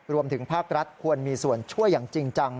รวมถึงภาครัฐควรมีส่วนช่วยอย่างจริงจัง